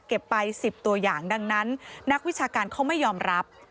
ไป๑๐ตัวอย่างดังนั้นนักวิชาการเขาไม่ยอมรับ